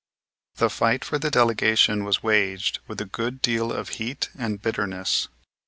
The fight for the delegation was waged with a good deal of heat and bitterness.